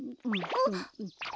あっ！